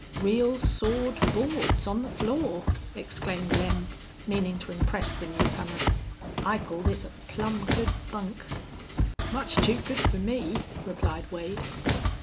"Real sawed boards on the floor!" exclaimed Lem, meaning to impress the new comer. "I call this a plumb good bunk." "Much too good for me," replied Wade.